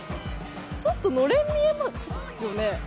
ちょっとのれん見えますよね。